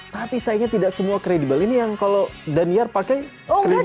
tapi sayangnya tidak semua kredibel ini yang kalau daniar pakai kredibel